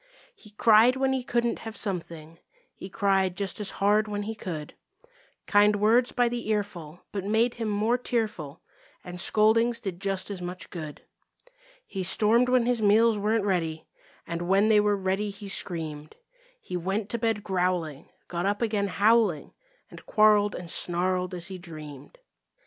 He cried when he couldn't have something; He cried just as hard when he could; Kind words by the earful but made him more tearful, And scoldings did just as much good. He stormed when his meals weren't ready, And when they were ready, he screamed. He went to bed growling, got up again howling And quarreled and snarled as he dreamed.